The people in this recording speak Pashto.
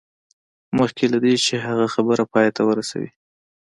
مخکې له دې چې هغه خبره پای ته ورسوي